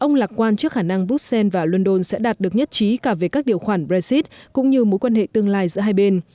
ông lạc quan trước khả năng brussels và london sẽ đạt được nhất trí cả về các điều khoản brexit cũng như mối quan hệ tương lai giữa hai bên